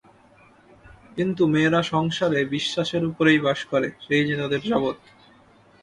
কিন্তু মেয়েরা সংসারে বিশ্বাসের উপরেই বাস করে, সেই যে তাদের জগৎ।